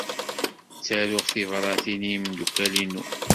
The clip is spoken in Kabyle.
Ttaruɣ tibṛatin i yimeddukal-inu.